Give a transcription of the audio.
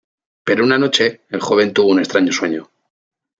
Pero una noche, el joven tuvo un extraño sueño.